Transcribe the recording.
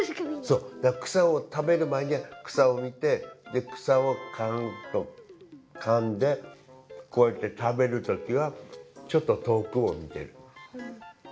だからくさを食べるまえにはくさを見てでくさをかんでこうやって食べるときはちょっと遠くを見てる。